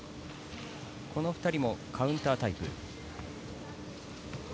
この２人もカウンタータイプ。